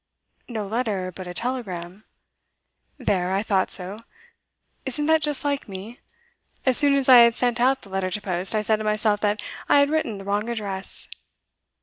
'No letter, but a telegram.' 'There, I thought so. Isn't that just like me? As soon as I had sent out the letter to post, I said to myself that I had written the wrong address.